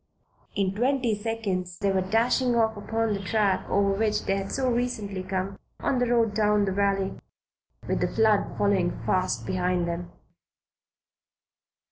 In twenty seconds they were dashing off upon the track over which they had so recently come on the road down the valley with the flood following fast behind them.